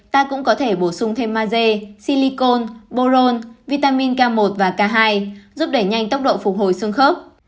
ta cũng có thể bổ sung thêm maze silicon borone vitamin k một và k hai giúp đẩy nhanh tốc độ phục hồi xương khớp